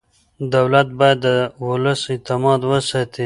دولت باید د ولس اعتماد وساتي.